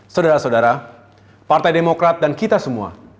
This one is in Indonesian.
saudara saudara partai demokrat dan kita semua